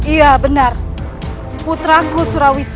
iya benar putraku surawisesa